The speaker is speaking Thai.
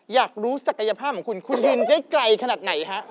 อยากรู้ศักดิ์ภาพของคุณคุณยืนไกลขนาดไหนครับ